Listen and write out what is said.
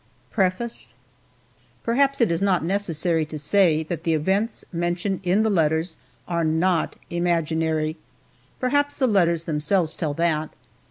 Roe PREFACE PERHAPS it is not necessary to say that the events mentioned in the letters are not imaginary perhaps the letters themselves tell that!